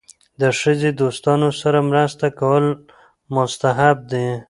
د ښځې دوستانو سره مرسته کول مستحب دي.